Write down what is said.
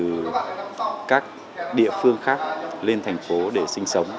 từ các địa phương khác lên thành phố để sinh sống